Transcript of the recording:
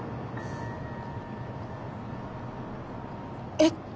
えっ！